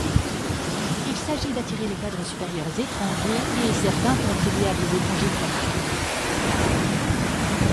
Il s'agit d'attirer les cadres supérieurs étrangers et certains contribuables étrangers fortunés.